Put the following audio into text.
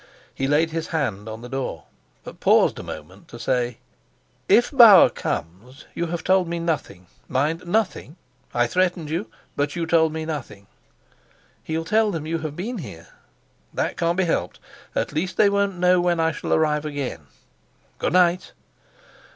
He laid his hand on the door, but paused a moment to say: "If Bauer comes, you have told me nothing. Mind, nothing! I threatened you, but you told me nothing." "He'll tell them you have been here." "That can't be helped; at least they won't know when I shall arrive again. Good night."